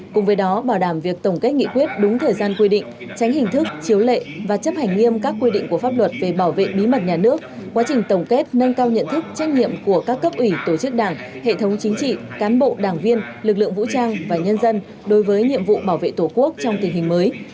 cùng với đó bảo đảm việc tổng kết nghị quyết đúng thời gian quy định tránh hình thức chiếu lệ và chấp hành nghiêm các quy định của pháp luật về bảo vệ bí mật nhà nước quá trình tổng kết nâng cao nhận thức trách nhiệm của các cấp ủy tổ chức đảng hệ thống chính trị cán bộ đảng viên lực lượng vũ trang và nhân dân đối với nhiệm vụ bảo vệ tổ quốc trong tình hình mới